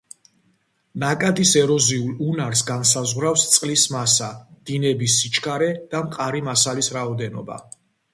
ნაკადის ეროზიულ უნარს განსაზღვრავს წყლის მასა, დინების სიჩქარე და მყარი მასალის რაოდენობა.